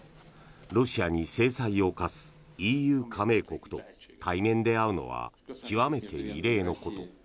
ロシアに制裁を科すＥＵ加盟国と対面で会うのは極めて異例のこと。